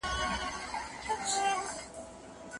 - محمد شریف ایوبی، ليکوال او خبريال.